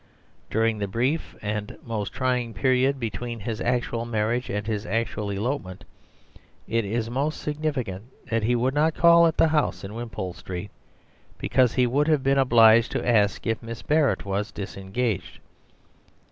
During the brief and most trying period between his actual marriage and his actual elopement, it is most significant that he would not call at the house in Wimpole Street, because he would have been obliged to ask if Miss Barrett was disengaged.